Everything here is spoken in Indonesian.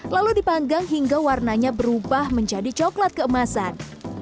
lalu dipanggang hingga warnanya berubah menjadi coklat keemasan